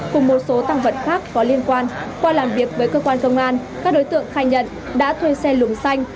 cùng một số tăng vật khác có liên quan qua làm việc với cơ quan công an các đối tượng khai nhận đã thuê xe lùng xanh